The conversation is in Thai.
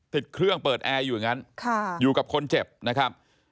ติดเครื่องเปิดแอร์อยู่อย่างนั้นอยู่กับคนเจ็บนะครับ